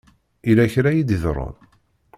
Yella kra i d-iḍerrun?